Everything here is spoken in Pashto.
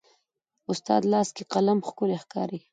د استاد لاس کې قلم ښکلی ښکاري.